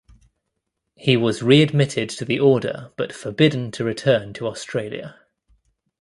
He was readmitted to the order but forbidden to return to Australia.